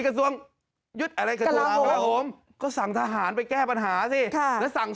กระโมมก็สั่งทหารไปแก้ปัญหาสิและสั่งส้ม